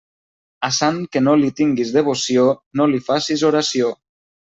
A sant que no li tinguis devoció, no li facis oració.